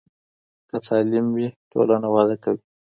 که تعلیم وي، ټولنه وده کوي.